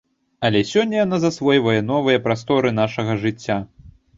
Але сёння яна засвойвае новыя прасторы нашага жыцця.